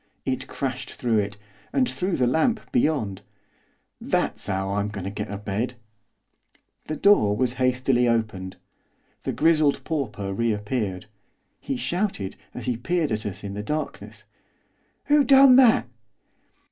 It crashed through it, and through the lamp beyond. 'That's 'ow I'm goin' to get a bed.' The door was hastily opened. The grizzled pauper reappeared. He shouted, as he peered at us in the darkness, 'Who done that?